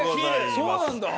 そうなんだ！